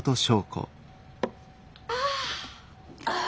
ああ。